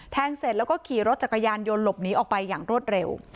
เสร็จแล้วก็ขี่รถจักรยานยนต์หลบหนีออกไปอย่างรวดเร็ว